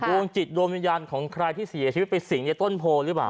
ดวงจิตดวงวิญญาณของใครที่เสียชีวิตไปสิงในต้นโพหรือเปล่า